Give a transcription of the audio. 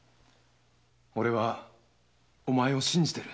俺はお前を信じてる。